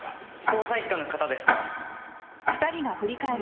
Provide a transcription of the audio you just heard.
捜査一課の方ですか？